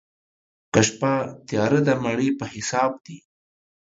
که شپه تياره ده، مڼې په حساب دي.